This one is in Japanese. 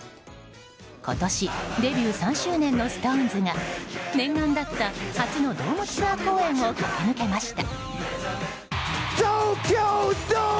今年、デビュー３周年のＳｉｘＴＯＮＥＳが念願だった初のドームツアー公演を駆け抜けました。